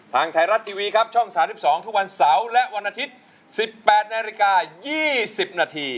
ทางไทยรัฐทีวีครับช่อง๓๒ทุกวันเสาร์และวันอาทิตย์๑๘นาฬิกา๒๐นาที